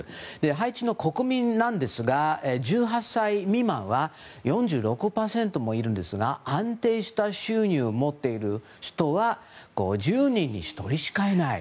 ハイチの国民なんですが１８歳未満は４６％もいるんですが安定した収入を持っている人は５０人に１人しかいない。